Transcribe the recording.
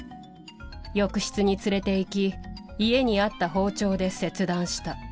浴室に連れていき、家にあった包丁で切断した。